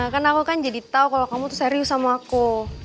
karena aku kan jadi tau kalo kamu serius sama aku